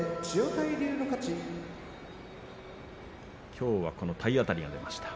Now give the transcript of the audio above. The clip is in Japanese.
きょうは体当たりが出ました。